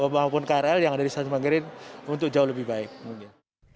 maupun krl yang ada di stasiun manggarai untuk jalan kembali ke stasiun manggarai